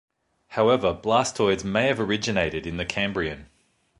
However, blastoids may have originated in the Cambrian.